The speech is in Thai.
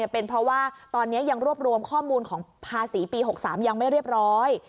เป็นเพราะว่าตอนนี้ยังรวบรวมข้อมูลของภาษีปี๖๓ยังไม่เรียบร้อย